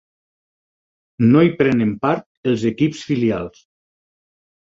No hi prenen part els equips filials.